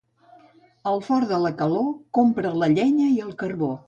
Al fort de la calor, compra la llenya i el carbó.